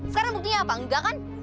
sekarang buktinya apa enggak kan